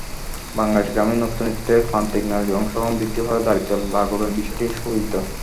বাংলাদেশের গ্রামীণ অর্থনীতিতে প্রান্তিক নারীর অংশগ্রহণ বৃদ্ধির ফলে দারিদ্র্য লাঘবের বিষয়টি সুবিদিত।